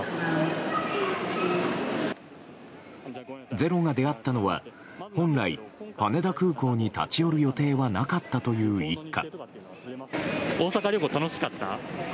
「ｚｅｒｏ」が出会ったのは本来、羽田空港に立ち寄る予定はなかったという一家。